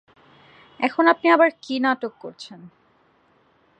এখন আপনি আবার কী নাটক করছেন?